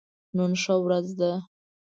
نن ښه ورځ ده